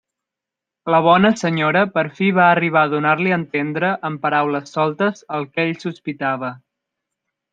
La bona senyora per fi va arribar a donar-li a entendre amb paraules soltes el que ell sospitava.